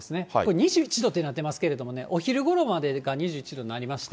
２１度ってなってますけどね、お昼ごろまでが２１度になりまして。